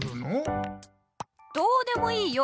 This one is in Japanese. どうでもいいよ！